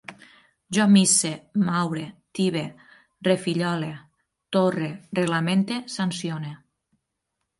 Jo misse, maure, tibe, refillole, torre, reglamente, sancione